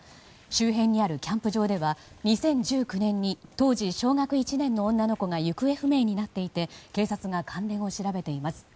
周辺にあるキャンプ場では２０１９年に当時小学１年の女の子が行方不明になっていて警察が関連を調べています。